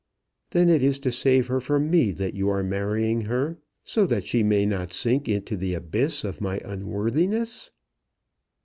"Then it is to save her from me that you are marrying her, so that she may not sink into the abyss of my unworthiness."